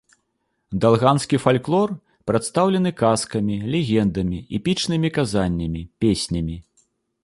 Далганскі фальклор прадстаўлены казкамі, легендамі, эпічнымі казаннямі, песнямі.